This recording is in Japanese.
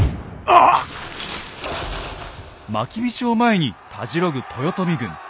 まきびしを前にたじろぐ豊臣軍。